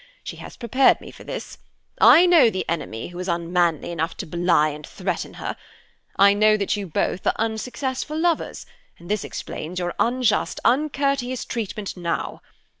She has prepared me for this. I know the enemy who is unmanly enough to belie and threaten her. I know that you both are unsuccessful lovers, and this explains your unjust, uncourteous treatment now.